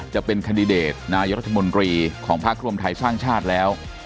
จะเป็นคันดิเดตนายรัฐมนตรีของพักรวมไทยสร้างชาติแล้ว